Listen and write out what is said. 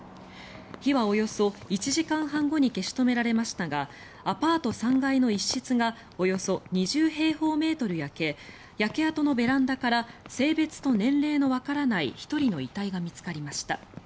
火はおよそ１時間半後に消し止められましたがアパート３階の一室がおよそ２０平方メートル焼け焼け跡のベランダから性別と年齢のわからない１人の遺体が見つかりました。